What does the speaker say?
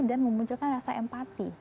dan memunculkan rasa empati